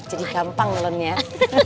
jadi gampang lho nenek